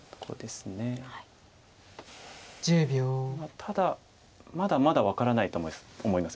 ただまだまだ分からないと思います。